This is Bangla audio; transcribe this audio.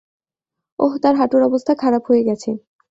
ওহ তার হাঁটুর অবস্থা খারাপ হয়ে গেছে।